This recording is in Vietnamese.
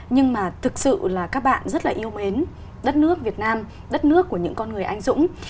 nhưng mà thực sự là các bạn rất là yêu mến đất nước việt nam đất nước của những con người anh dũng